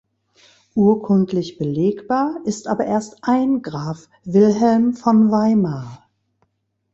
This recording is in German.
Urkundlich belegbar ist aber erst ein Graf Wilhelm von Weimar.